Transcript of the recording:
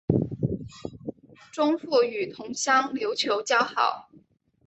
钟复与同乡刘球交好。